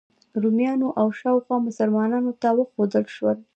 رومیانو او شاوخوا مسلمانانو ته وښودل شول.